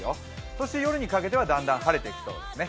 そして夜にかけてはだんだん晴れてきそうですね。